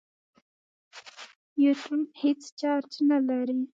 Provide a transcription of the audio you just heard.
نیوټرون هېڅ چارج نه لري.